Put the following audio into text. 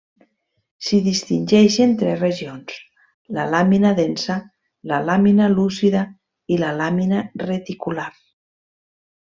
S'hi distingeixen tres regions, la làmina densa, la làmina lúcida i la làmina reticular.